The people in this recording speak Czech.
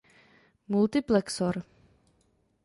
Multiplexor